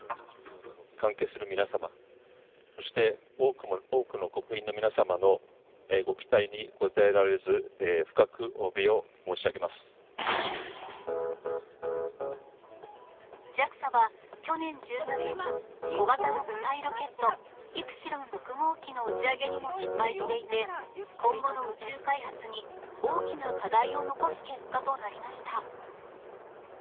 関係する皆様、そして多くの国民の皆様のご期待に応えられず、深くおわびを申しＪＡＸＡは、去年１０月に小型の固体ロケット、イプシロン６号機の打ち上げにも失敗していて、今後の宇宙開発に大きな課題を残す結果となりました。